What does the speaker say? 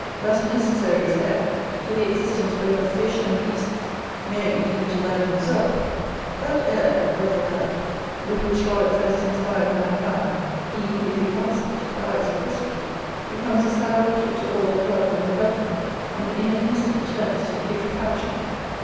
Thus necessary is air, to the existence both of Fish and Beasts, nay, even to Man himself; that air, or breath of life, with which God at first inspired mankind, he, if he wants it, dies presently, becomes a sad object to all that loved and beheld him, and in an instant turns to putrefaction.